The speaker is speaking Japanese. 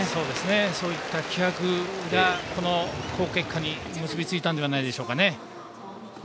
そういった気迫がこの好結果に結びついたんじゃないでしょうか。